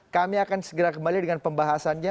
kami akan segera kembali dengan pembahasannya